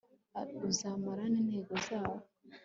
UZAMARA N INTEGO ZAWO